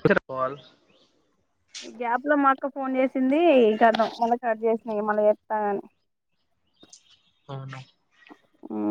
Cricket బల్ ఈ gap లో మా అక్క ఫోన్ చేసింది ఇం మళ్ళీ కట్ చేసినాయి మళీ చెస్తానని అవున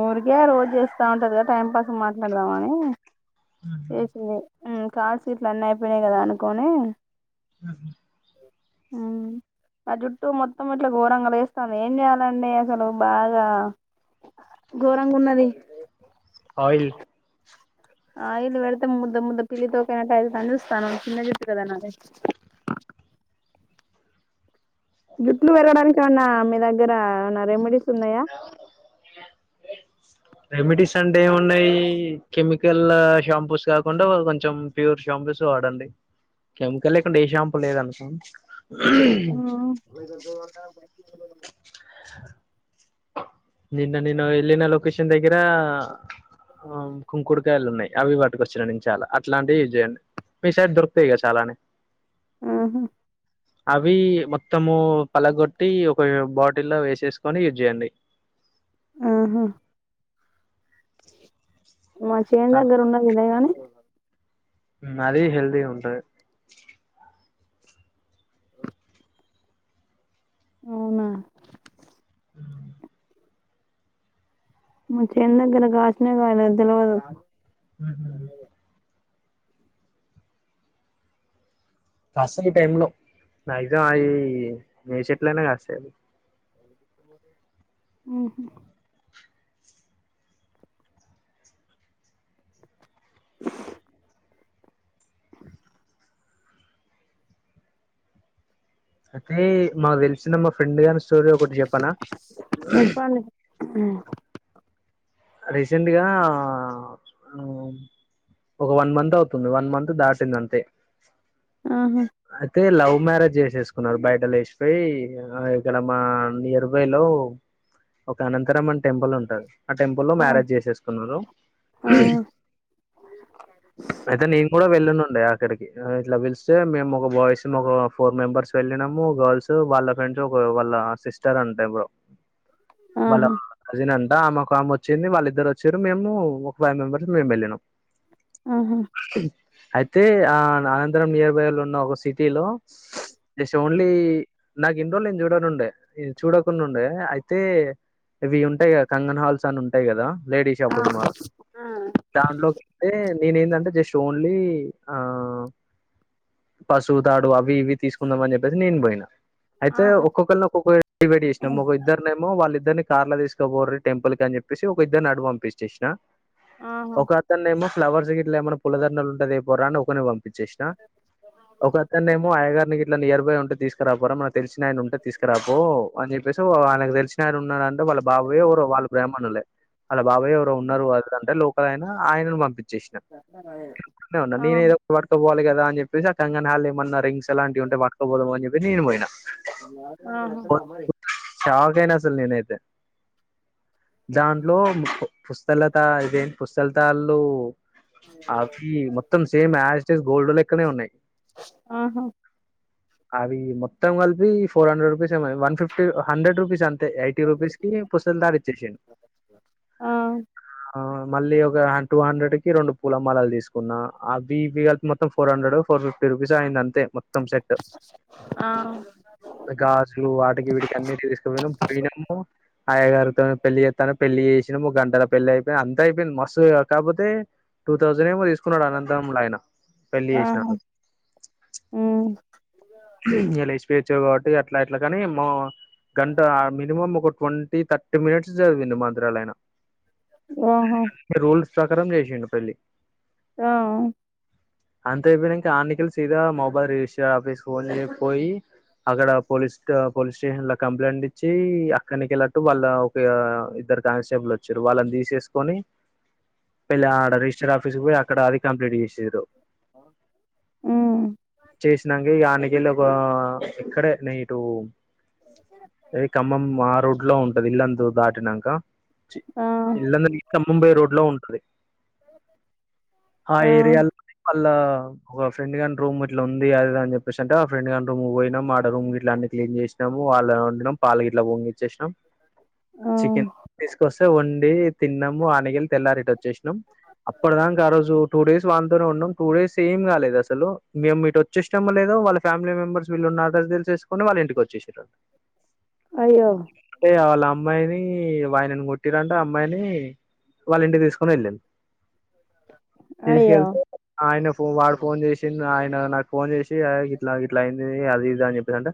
ఊరికే రోజు చేస్తా ఉంటది కదా టైం పాస్ కి మాట్లాడదాంని స కార్ సీట్లు అన్నీ అయిపోయినాయి కదా అనుకోని ఆహా ఆ ఆ జుట్టు మొత్తం ఇట్లా ఘోరంగా లేస్తండి ఏం చెయాలండి అసలు బాగా ఘోరంగా ఉన్నది ఆయిల్ ఆయిల్ పెడితే ముద్ద ముద్ద పిలి తోకనా అయితని చూస్తానా చిన్న జుట్టు కదా నాది జట్లు పెరగడానియేమన్నా మీ దగ్గర ఏమన్నా రెమెడీస్ ఉన్నాయా? రెమిడీస్ అంటే ఏమిన్నాయి కెమికల్ షాంపూస్. కాకుండా వాళ్ళు కొంచెం ప్యూర్ షాంపుస్ వాడండి. కెమికల్ లేకుండా ఏ షాంపు లేద అనుకో [inaudible] నిన్న నేను వెళ్ళిన లోలొకషన్ దగ్గరా, ఆ కుంకుడుకాయలు ఉన్నాయి. అట్లాంటివి పట్టుకు వచ్చిన నేను చాలా అట్లాంటివి చేయండి. మీ సైడ్ దొరుకుతాయి కదా! చాలానే మ్ హూ! అవి మొత్తము పలగొట్టి, ఒక బా వాటిలో వేసేసుకొని, యూజ్ చేయండి. ఉహూ! మా చేన్ దగ్గర ఉన్నాయి కదా గానీ ఆది హెల్తీగ ఉంటాది. అవునా? మ చేన్ దగ్గర కాసినయో, కాయలేదో తెలియదు. హు హూ! కాస్తాయి ఈ టైం లో మాగ్జిమం అవి ఏ చెట్లయినే కాస్తాయి అది హ్మ్! [inaudible] అయితే మాకు తెలిసిన మా ఫ్రెండ్ గారి స్టోరీ ఒకటి చెప్పనా? ఉమ్ రీసెంట్గా ఒక వన్ మంత్ అవుతుంది వన్ మంత్ దాటింది అంతే ఆహా అయితే లవ్ మ్యారేజ్ చేసేసుకున్నారు. బయటలేచి పోయి పై ఇక్కడ మా నియర్ బై లో ఒక అనంతరామన్ టెంపుల్ ఉంటాది. ఆ టెంపుల్ లో ఆ మ్యారేజ్ చేసేసుకున్నారు. ఆ అయితే నీను కూడా వెళ్ళునుండ. ఇక్కడికి ఇట్లా పిలిస్తే మేము ఒక బాయ్స్ ఫోర్ మెంబర్స్ వెళ్ళినాము. గర్ల్స్ వాళ్ళ ఫ్రెండ్స్ ఒక వాళ్ళ సిస్టర్ అంట వాళ్ళ ఆహా కజిన్ అంట. ఒక ఆమె వచ్చింది. వాళ్ళిద్దరు వచ్చారు. మేము ఒక ఫైవ్ మెంబర్స్ మేము వెళ్ళాం. ఆహా! అయితే ఆ అనంతరం నియర్ బై లో ఉన్న ఒక సిటీ లో. జస్ట్, ఓన్లీ నాకు ఇన్ని రోజు నేను చూడనుండే చూడకుండా ఉండె, అయితే ఇవి ఉంటాయి కంగన్ హాల్స్. అ ఉంటాయి కదా! లేడీ ఆ షాపింగ్ మాల్స్ దాంట్లోకి వెళితే నేను ఏంటంటే జస్ట్ ఓన్లీ ఆ పసుపు తాడు అవి ఇవి తీసుకుందాంమని చెప్పేసి నేను పోయిన. అయితే ఆ ఆహా ఒక్కొక్కరిని ఒక్కొక్క డివైడ్ చేసినాము. ఒక ఇద్దనేమో వాళ్ళిద్దరిని కార్ లో తీసుకోపోర్రి టెంపుల్ కి అని చెప్పేసి ఒక ఇద్దరు అటు పంపించేశానా, ఆహా ఒక అతన్ని ఏమో ఫ్లర్స్ ఇట్లా ఏమన్నా పూలదండ్లు ఏమన్నా ఉంటే తెపోరా అని ఒకని పంపి చ్చేసిన ఒక అతన్ని ఏమో అయ్యగారిని ఇట్లా నియర్ బై ఉంటే తీసుకురాపోరా, మన తెలిసిన ఆయన ఉంటే తీసుకురాపో అని చెప్పేసి, ఆయన తెలిసిన ఆయన ఉన్నాడంటే. వాళ్ళ బాబాయ్య ఎవరో వాళ్ళ బ్రాహ్మణులే, బాబాయ ఎవరో ఉన్నారు అద అంటే లోకలాయన ఆయనను పంపించారు. చేసినా, ఉన్నా నేను ఏదో పట్టకపోవాలి కదా అని చెప్పేసి, ఆ కంగన్ హల్ ఏమన్నా రింగ్స్ ఎలాంటివింటే పట్కపోదం అని చెప్పి నేను పోయినా. ఉ హూ ఎప్పటికైనా అసలు నేనైతే దాంట్లో పుస్తలతా ఇదేంటి. పుస్తలతాళ్లు ఆకి, మొత్తం same as it is gold లెక్కనే ఉన్నాయి. ఆహా. అవి మొత్తం కలిపి ఫోర్ హండ్రెడ్ రూపీస్ ఏమో, వన్ ఫిఫ్టీ, హండ్రెడ్ రూపీస్ అన్ తే. ఎయిటి రూపిస్కి పుస్తెలతాడ్ ఇ ఆ. ఆ మళ్ళీ ఒక టూ హండ్రెడ్ కి రెండు పూలమాలలు దిసుకున్నా. అవి ఇవి కలిపి మొత్తం ఫోర్ హండ్రెడో, ఫై ఫోర్ ఫిఫ్టీ రూపీస్ అయింది అంతే, మొత్తం సెట్. ఆ గాజులు వాటికి, వీటికి అన్ని తీసుకుపోయినామ్ పోయినము. అయ్యాగారు, పెళ్లి చేతన్నం, పెళ్లి చేసినము గంటలో పెళ్లి అయిపోయింది. అంత అయిపోయింది, మస్తు కాకపోతే, టూ తౌసండ్ ఏమో తీస్, న్నాడు అనంతములైనా, ఆహా పెళ్లిచేసినాడు. ఉమ్ ఇగ లేసిపోయి అచ్చాన్రూ కాబట్టి అట్లా, ఇట్లా కాని మ గంట, మినిమం ఒక ట్వంటీ, థర్టీ మినిట్స్ చదివిండు, మంత్రాలైన. ఆహా. సకరం జేసిండు పెళ్లి. ఆ. అంత అయిపోయినంక ఆన్నికల్ సీదా, మొబైల్ రిజిస్టర్ ఆఫీస్ ఫోన్ చేయకపోయి, అక్కడ పోలీస్ట్, పోలీస్ స్టేషన్ లో కంప్లైంట్ ఇచ్చి, అక్కడినీకి అటు వాళ్ళ పే ఇద్దరు కానిస్టేబుల్లు ఓచ్చిన్రూ, వాళ్ళని దిసేస్కొని, పేళ్ళ ఆడ రిజిస్టర్ ఆఫీస్కి పోయి, అక్కడ అది కంప్లీట్ చేసిన్రూ. ఉమ్ చేసినాంక్. దానీకేళ్ళి ఒక ఇక్కడే, నే ఇటు ఈ ఖమ్మం ఆ రూట్. ట్లో ఉంటది. ఇల్లంతు దాటినంక. చీ, ఆ ఇల్లందు కి ఖమ్మం పొయ్యే రోడ్ లో ఉంటది. ఆ ఏరియాలోనే ఆళ్ళ, ఒక ఫ్రెండ్ గాని రూమ్ ఇట్లా ఉంది, అది ఇది అని చెప్, [unintelligible] ఆ ఫెండ్ రూమ్ పోయినాం. ఆడ రూమ్ గిట్ల అన్ని క్లీన్ చేసినాము. వాళ్ళు వండినం పాలు గిట్లా పొంగిచ్చేసినం. ఆ చికెన్ తీసుకొస్తే వండి తిన్నము, ఆనగిల్ తెల్లారిట్టచ్ చ్చేసినాం. అప్పటిదాంక ఆ రోజు టూ డేస్ వానీతోనే ఉన్నాం. టూ డేస్ ఏం కాలేద్ అసలు, మేము ఇట్ ఓచ్చేసినామో లేదో, వాళ్ళ ఫ్యామిలీ మెంబర్స్ వీళ్ళున్న అడ్రస్ దేల్సేసుకోని వాళ్ళ ఇంటికి ఓచ్చేసిన్రు. అయ్యో అంటే వాళ్ళ అమ్మాయిది. ఈ వాయ్ నాని కొట్టిరంట, అమ్మాయిని వాళ్ళ ఇంటికి దిసుకోని ఎల్లిన్. అయ్యో తీసుకెళ్తే ఆయనకు వాడు ఫోన్ చేసిన్డ్, ఆయన నాకు ఫోన్ చేసి, తి అయి గిట్లా గిట్ల అయింది, అది ఇది అని చెప్పిన్నరంటే.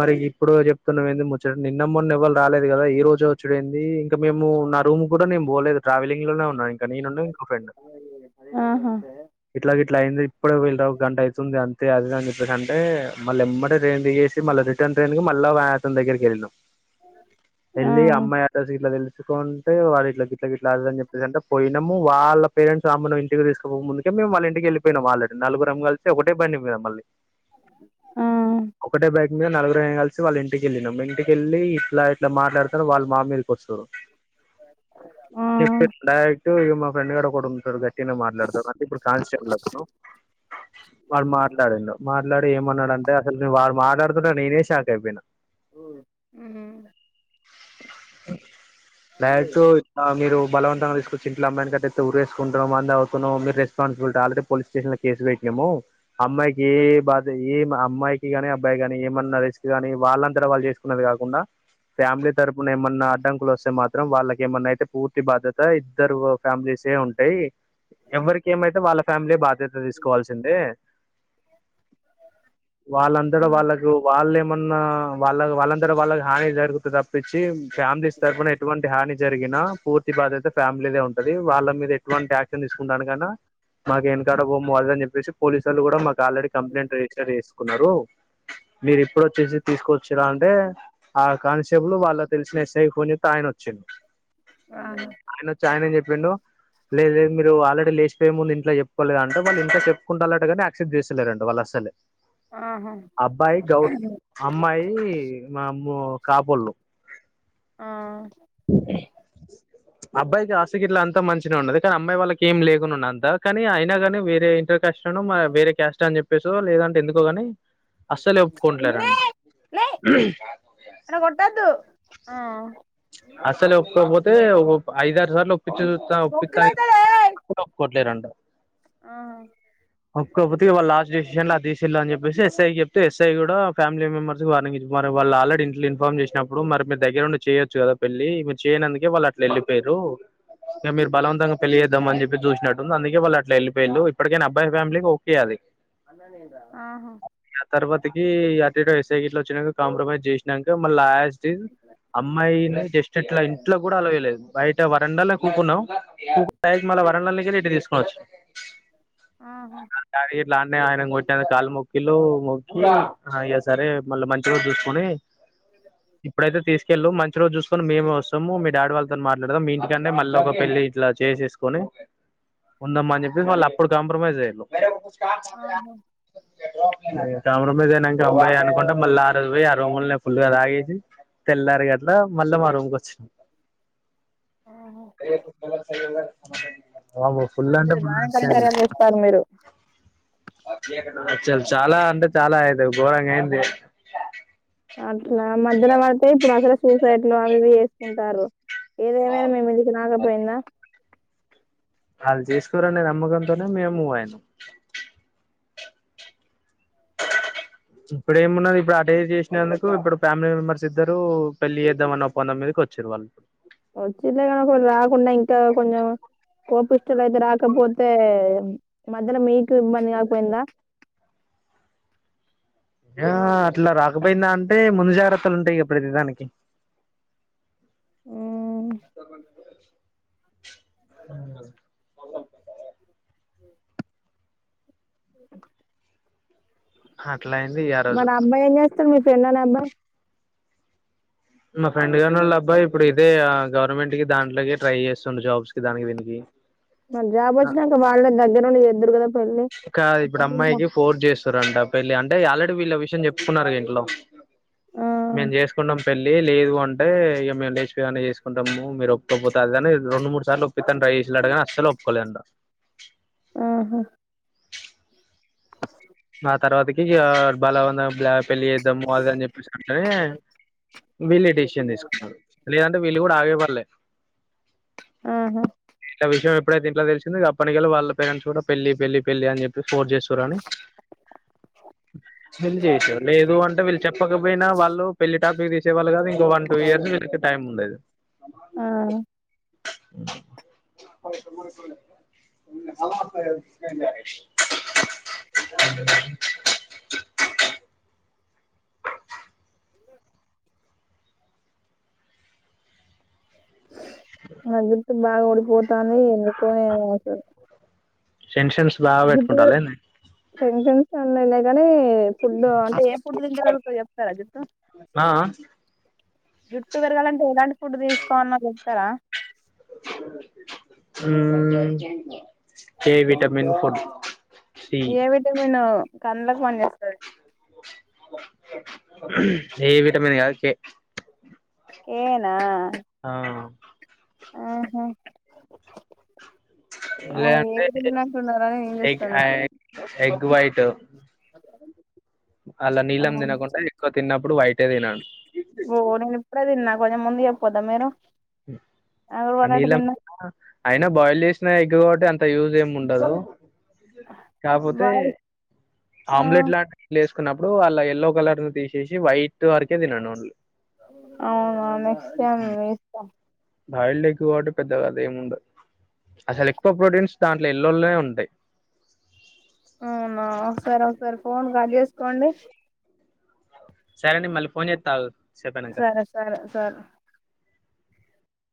మరి ఇప్పుడు చెప్తున్నావ్ ముచ్చట నిన్న, మొన్న ఎవ్వరు రాలేదు కదా. ఈ రోజు వచ్చుడెంది, ఇంకా మేము ఆ రూమ్ గు మేం పోలేదు, ట్రావెలింగ్ లోనే ఉన్నాయి ఇంకా నేను ఉన్ను ఇంకో ఫ్రెండ్. ఆహా ఇట్లా గిట్లా అయింది, ఇప్పుడే [unintelligible] ఒక గంట అయితుంది అం తే అది ఇది అని చెప్పేసి అంటే, మళ్ళీ ఎమ్మడే ట్రైన్ దిగేసి, మళ్ళ రిటర్న్ ట్రైన్ కి మళ్ళ వా అతన్ దగ్గరికి వెళ్ళినం. ఆ ఎళ్ళి అమ్మయి అడ్రస్ గిట్ల దేల్స్, కుంటు, వాడు ఇట్లా గిట్ల గిట్లా అది అని చెప్పేసింటే పోయినాము. వాళ్ళ పేరెంట్స్ ఆమెను ఇంటికి దిసుకోక ముందుకే మేముళ్ళంటికి వెళ్ళపోయిం ఆల్రెడి. నలుగురం గలిసి ఒకటే బండి మీద మళ్ళీ ఆ. మీమ్ నలుగురం గలిసి వాళ్ళింటికెళ్ళినం. ఇంటికెళ్ళి ఇట్లా ఇట్లా మాట్లాడ్తారు వాళ్ళ మా మీదకి ఓస్తూన్రు. ఆ [inaudible] మా ఫ్రెండ్ గాడు ఒకడుంటాడు గట్ గట్టినే మాట్లాడతాడు, అంటే ఇప్పుడు కాన్స్టేబుల్ అతను. వాళ్ళు మాట్ మాట్లాడి ఏమన్నాడంటే, అసల్కి వాడు మాట్లాడ్తడని నేనే షాక్ అయిపోయినా. ఉమ్ డైరెక్టు ఆ మీరు, బలవంతంగా తీసుకొచ్చి ఇంట్ల అమ్మాయినీ కట్టతే, ఉరేసుకుంటెనో, మందు తాగుతూనో, మీ రెస్పాన్సిబులిట ఆల్రెడి పోలీస్ స్టేషన్ లో కేసుపెట్టిం. మో. అమ్మాయికి ఏ బాధ ఏం అమ్మాయికి గానీ, అబ్బాయి గాని ఏమన్న రిస్క్ గాని, వాళ్ళంతటా వాళ్ళు చేసుకున్నది కాద్, కాకుండ ఫ్యామిలీ తరపున ఏమన్నా అడ్డంకులు వస్తే మాత్రం త్రం వాళ్ళకి ఏమన్నా అయితే పూర్తి బాధ్యత ఇద్దరు ఫ్యామిలీస్ ఏ ఉంటాయి ఎవ్వరికి ఏమైతే వాళ్ళ ఫ్యామిలీ బాధ్యత తీసుకోవాల్సిందే వాళ్ళ అంతట వాళ్ళకు వాళ్ వాళ్ళ ఏమన్నా వాళ్ళ వాళ్ళ అంతట వాళ్ళకి హాని జరుగుతే త ప్పించి ఫ్యామిలీస్ తరపున ఎటువంటి హాని జరిగినా పూర్తి బాధ్యత ఫ్యామిలీదే ఉంటది వాళ్ళ మీద ఎటువంటి యాక్షన్ తీసుకుంటాను కన్నా మాకు ఎనకాడ బోము అని చెప్పేసి పోలీసు వోళ్ళు కూడా మా ఆల్రెడీ కంప్లైంట్ రిజిస్టర్ చేసుకున్నారు మీరు ఎప్పుడు వచ్చేసి తీసుకొచ్చిరా అంటే ఆ కానిస్టేబుల్ వాళ్ళ తెలిసిన ఎస్ఐ ఫోన్ జేత్తే ఆ యన వచ్చి ఆహా ఆయన వచ్చి ఆయనని చెప్పిండు లేదు లేదు మీరు ఆల్రెడీ లేచిపోయే ముందు ఇంట్లో చెప్ కోలేదంటే వాళ్ళు ఇంట్లో చెప్పుకుంటలట గాని ఆక్సెప్ట్ జేస్తాలేదంట వాళ్ళు అసలే ఆహా అబ్బాయి గౌర్ అమ్మాయి మమో కాపోళ్ళు ఆ అబ్బాయికి ఆస్తి గిట్లా అంతా మంచినే ఉన్నది కాని ఆమ్మాయి వాళ్ళక్ ఏం లేకున్న అంతా కానీ అయినా కానీ వేరే ఇంటర్ కస్ట్ అనో మ వేరే క్యాస్ట్ అని జేప్పేసో లేదంటే ఎందుకోగాని నిన్నే లే అల కొట్టదు ఆ అసల ఒప్పుకపోతే ఐదారు సార్లు ఒప్పిచేసి వస్తా ఒప్పిత్తా బొక్కలైతదే ఒప్పుకోట్లేరంట ఆహా కాపోతే వాళ్ళ లాస్ట్ డిసిషన్లా దీసర్లు అని చెప్పేసి ఎస్ఐ చెప్తే ఎస్ఐ కూడా ఫ్యామిలీ మెంబర్స్ వార్నింగ్ ఇచ్చి మరి వాళ్ళు ఆలడీ ఇంట్లో ఇన్ఫామ్ చేసినప్పుడు మరి మీ దగ్గర ఉండి చేయదు చ్చు కదా పెళ్ళి మీరు చేయనందుకే వాళ్ళు అట్లా వెళ్ళిపోయారు ఇక మీరు బలవంతంగా పెళ్లి చేేద్దం అని చెప్పి చూసినట్టు ఉంది అందుకే వాళ్ళు అట్ల వెళ్ళపోయిళ్ళు ఇప్పటికైన అబ్బాయి ఫ్యామిలీకి ఒకే అది ఆహ ఆ తర్వాతకి అ ఎస్ఐ గిట్ల వచ్చినాక కాంప్రమైజ్ చేసినాక మళ్ళ లాస్ట్ కి అమ్మాయిని జస్ట్ ఇట్లా ఇంట్లో కూడా ఎలోవేయలేదు బయట వరడాల కూకున్నాం కూక్ డైట్ మళ్ళ వరండ లో కెళ్ళి ఇంటిని కి తీసుకోచ్చినం ఆహా ఇలానే ఆయన కొట్టన కాళ్ళు మొక్కిలు మొక్కియ సరే మళ్ళీ మంచిగా చూసుకుని ఇప్పుడైతే తీసుకు కెళ్ళు మంచి రోజు జూసుకోని మేమే వస్తాము మీ డాడీ వాళ్ళతో మాట్లాడదాం మీ ఇంటికంటే మళ్ళ ఒక పెళ్లి ఇలా చేసేస్కొని ఉండమ్మ అని చెప్పేసి వాళ్ళు అప్పుడు కాంప్రమైజ్ అయ్యళ్ళు ఆహా కాంప్రమైజ్ అయినక హమ్మయ అనుకుంట మళ్ళీ ఆ రోజు బోయి ఆ రూమ్ ళ్ళె ఫుల్గా తాగేసి తెల్లార గట్ల మళ్ళా మా రూమ్కి వచ్చినాం ఆహా బాబో ఫుల్ అంటే పర్లేదు ఫుల్ బానే రిస్క్ అయింది. కనికార్యాలు చేస్తారు మీరు అసలు చాలా అంటే చాలా అయితే ఘోరంగా అయింది అట్లా మధ్యలో వాడితే ఇప్పుడు అసలు సూసైట్లు అవి ఇవి చేసుకుంటారు ఏదేమైనా మేము ఇంటికికి రాకపోయిందా ఆళ్ చేసుకోరనే నమ్మకంతోనే మేము ఒయినం ఇప్పుడ ఏమున్నది ఇప్పుడు అటు ఏరో చేసినందుకు ఇప్పుడు ఫ్యామిలీ మెంబర్స్ ఇద్దరు పెళ్లి చేద్దాంమని ఒప్పుందాం మీద కొచ్చిరు వాళ్ళు వచ్చిదే కాకుండ రాకుండా ఇంకా కొంచెం కోప పిల్ల అయితే రాకపోతే మధ్యలో మీకు ఇబ్బంది కాకపోయిందా ఆ అట్లా రాకపోయిందా అంటే ముందు జాగ్రత్తలు ఉంటాయి గ ప్రతిదానికి అనుకోకుండ వచ్చినం అట్లా అయింది రోజు మరి ఆ అబ్బాయి ఏం చేస్తారు మీ ఫ్రెండ్ అనే అబ్బాయి మా ఫ్రెండ్ గాని వాళ్ళు అబ్బాయి ఇప్పుడు ఇదే ఆ గవర్నమెంట్ కి దాంట్లేకి ట్రై చేస్తుండు జాబ్స్ కి దానికి దీనికి మరి జాబ్ వచ్చినంక వాళ్ళే దగ్గరుండి చేద్దురు కదా పెళ్ళి కా ఇప్పుడు అప్పట్లో అమ్మాయికి ఫోర్ చేస్ తురంట పెళ్ళి అంటే ఆల్రెడీ వీళ్ళ విషయం చెప్పుకున్నారు ఇంట్లో ఆ మేం చేసుకుంటాం పెళ్ళి లేదు అంటే ఇగ మేము లేచిపోయిగానే చేసుకుంటాము మీరు ఒప్పుకోపోతే అదని రెండు మూడు సార్లు ఒప్పిత్తాను ట్రై చేసిల్లట గానీ అస్సలు ఒప్పుకోలే అంట ఆహా ఆ తర్వాతకి ఇగ బలవంద బ్లా పెళ్ళి చేద్దాము అది అని చెప్పేసి కుంటనే వీళ్ళే డెసిషన్ తీసుకున్నారు లేదంటే వీళ్ళు కూడా ఆగే వాళ్ళే ఆహా ఇట్లా విషయం ఎప్పుడైతే ఇంట్లో తెలిసిందో ఇగ అప్పనికల్లి వాళ్ళ పేరెంట్స్ కూడా పెళ్లి పెళ్లి పెళ్లి అని చెప్పి ఫోర్స్ జేస్తుర్రని [inaudible] లేదు అన్ టే వీళ్ళు చెప్పకపోయినా వాళ్ళు పెళ్లి టాపిక్ తీసే వాళ్ళు కాదు ఇంకో వన్ టూ ఇయర్స్ వీళ్ళకి టైం ఉండేది ఆ నా జుట్టు బాగా ఊడిపోతాంది ఎందుకో ఏమో అసలు టెన్షన్స్ బాగా పెట్టుకుంటారు [unintelligible] లేండి టెన్షన్ [inaudible] [unintelligible] ఫుడ్డు అంటే ఏం ఫుడ్ తింటే నిలుస్తది చెప్తారా జుట్టు ఆ జుట్టు పెరగాలంటే ఎలాంటి ఫుడ్ తీసుకోవాలనో చెప్తారా మ్మ్ ఏ vitamin food C A vitamin కండ్లకు పని చేస్తాది ఏ విటమన్ కాదు కే కే నా ఆ ఆహా ఆ ఏ లేదంటే విటమిన్ అంటున్నారా అని నేను ఎగ్ చూస్తాన్నా ఎగ్ వైట్ ఆల్లా ఆ, నీలం తినకుండా ఎక్కువ తిన్న ప్పుడు వైట్ ఏ తినను ఓ నేను ఇప్పుడే తిన్నా కొంచెం ముందు చెప్పోద్దా మీరు అగరు కా పడట్టు నీలం తిన్నా [inaudible] అయినా బాయిల్ చేసిన ఎగ్ కాబట్టి అంత యూస్ ఏం ఉండదు కాపోతే బాగా ఆ ఆమ్లెట్ లాంటిది లేసు తకున్నప్పుడు అల్ల ఎల్లో కలర్ ను తీసేసి వైట్ వరకే తినండి ఓన్లీ అవునా నెక్స్ట్ టైం [inaudible] బాయిల్డ్ ఎగ్ కాబట్టి పెద్దగా అది ఏముండదు అసలు ఎక్కువ ప్రోటీన్స్ దాంట్లో ఎల్లోల్లోనే ఉంటాయి అవునా ఒకసారి ఒకసారి ఫోన్ కడ్ చేసుకోండి సరే నేను మళ్ళీ ఫోన్ చేత్తా ఆగు సేపయినంక సరే సరే సర్